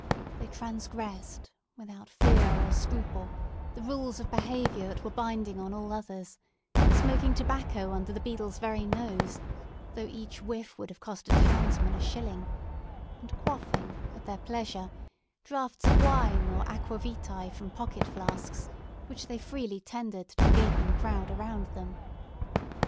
They transgressed without fear or scruple, the rules of behaviour that were binding on all others: smoking tobacco under the beadle's very nose, although each whiff would have cost a townsman a shilling; and quaffing at their pleasure, draughts of wine or aqua vitæ from pocket flasks, which they freely tendered to the gaping crowd around them.